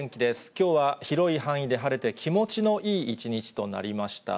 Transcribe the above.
きょうは広い範囲で晴れて、気持ちのいい一日となりました。